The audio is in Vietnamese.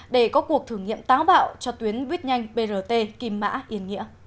để có cuộc thử nghiệm táo bạo cho tuyến buýt nhanh brt kim mã yên nghĩa